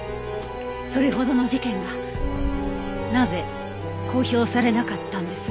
それほどの事件がなぜ公表されなかったんです？